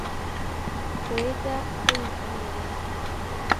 Poeta e Ingeniero.